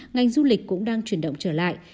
ngành du lịch cũng đang chuyển động trở lại